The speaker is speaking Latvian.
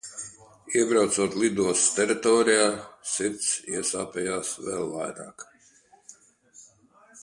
Iebraucot lidostas teritorijā, sirds iesāpējās vēl vairāk.